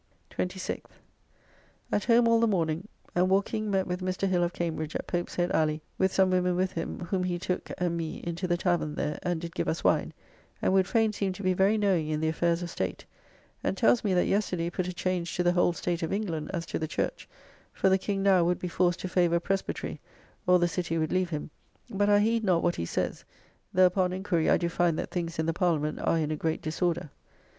26th. At home all the morning, and walking met with Mr. Hill of Cambridge at Pope's Head Alley with some women with him whom he took and me into the tavern there, and did give us wine, and would fain seem to be very knowing in the affairs of state, and tells me that yesterday put a change to the whole state of England as to the Church; for the King now would be forced to favour Presbytery, or the City would leave him: but I heed not what he says, though upon enquiry I do find that things in the Parliament are in a great disorder.